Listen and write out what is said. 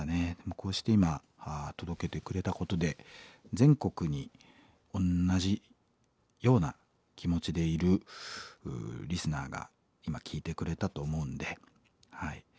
こうして今届けてくれたことで全国に同じような気持ちでいるリスナーが今聴いてくれたと思うんではい。